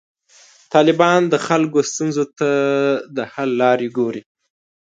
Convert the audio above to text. طالبان د خلکو ستونزو ته د حل لارې ګوري.